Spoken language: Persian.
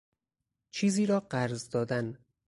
چیزی را قرض دادن